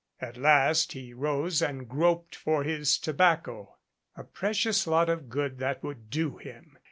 At last he rose and groped for his tobacco. A pre cious lot of good that would do him